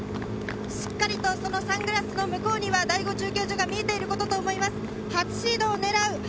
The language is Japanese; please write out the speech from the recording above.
しっかりとそのサングラスの向こうには第５中継所が見えていることと思います。